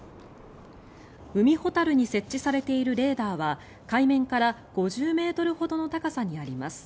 海ほたるに設置されているレーダーは海面から５０ｍほどの高さにあります。